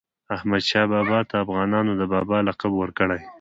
احمدشاه بابا ته افغانانو د "بابا" لقب ورکړی.